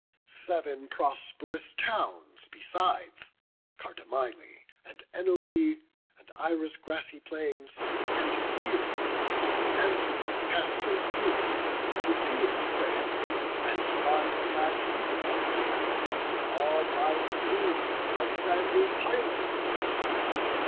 Sev'n prosp'rous towns besides; Cardamyle, And Enope, and Ira's grassy plains, And Pherae, and Antheia's pastures deep, Æpeia fair, and vine clad Pedasus; All by the sea, by sandy Pylos' bounds.